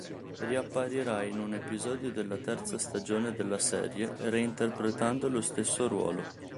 Riapparirà in un episodio della terza stagione della serie, reinterpretando lo stesso ruolo.